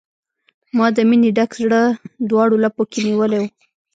ما د مینې ډک زړه، دواړو لپو کې نیولی و